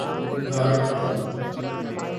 بھاڑ میں جاؤ